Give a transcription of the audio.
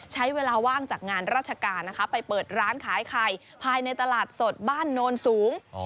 ใช้เวลาว่างจากงานราชการนะคะไปเปิดร้านขายไข่ภายในตลาดสดบ้านโนนสูง